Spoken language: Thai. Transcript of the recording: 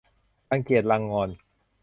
รังเกียจรังงอน